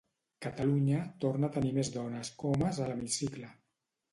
Catalunya torna a tenir més dones que homes a l'hemicicle.